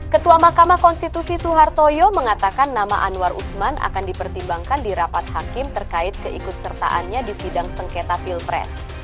ketua mahkamah konstitusi suhartoyo mengatakan nama anwar usman akan dipertimbangkan di rapat hakim terkait keikut sertaannya di sidang sengketa pilpres